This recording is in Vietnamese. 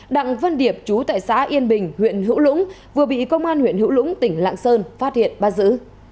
đặng văn điệp chú tại xã yên bình huyện hữu lũng vừa bị công an huyện hữu lũng tỉnh lạng sơn phát hiện bắt giữ